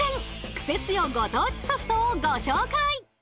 クセ強ご当地ソフト！」をご紹介！